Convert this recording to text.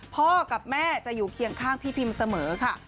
พ่อกับแม่จะอยู่เคียงข้างพี่พิมเสมอค่ะ